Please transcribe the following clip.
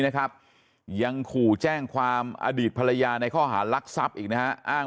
นะครับยังขู่แจ้งความอดีตภรรยาในข้อหารักทรัพย์อีกนะฮะอ้าง